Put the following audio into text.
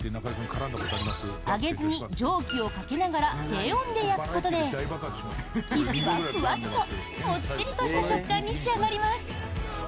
揚げずに、蒸気をかけながら低温で焼くことで生地はふわっともっちりとした食感に仕上がります。